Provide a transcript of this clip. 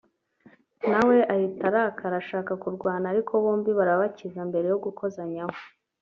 na we ahita arakara ashaka kurwana ariko bombi barabakiza mbere yo gukozanyaho